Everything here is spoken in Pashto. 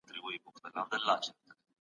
خلکو د حکومت پروګرامونه تر څارني لاندي ونيول.